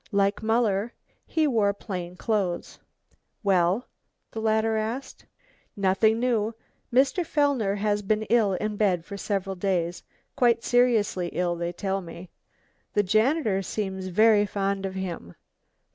Like Muller, he wore plain clothes. "Well?" the latter asked. "Nothing new. Mr. Fellner has been ill in bed several days, quite seriously ill, they tell me. The janitor seems very fond of him."